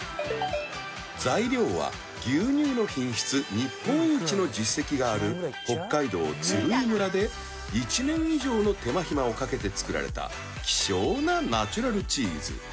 ［材料は牛乳の品質日本一の実績がある北海道鶴居村で１年以上の手間暇をかけて作られた希少なナチュラルチーズ］